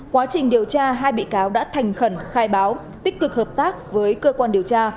quá trình điều tra hai bị cáo đã thành khẩn khai báo tích cực hợp tác với cơ quan điều tra